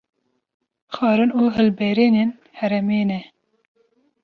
Xwarin û hilberînên herêmê ne